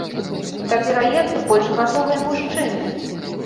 Да пераезду больш гатовыя мужчыны.